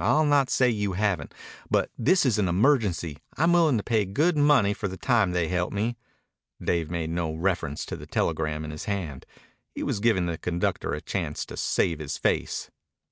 I'll not say you haven't. But this is an emergency. I'm willin' to pay good money for the time they help me." Dave made no reference to the telegram in his hand. He was giving the conductor a chance to save his face.